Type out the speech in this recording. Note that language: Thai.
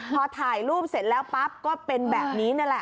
พอถ่ายรูปเสร็จแล้วปั๊บก็เป็นแบบนี้นั่นแหละ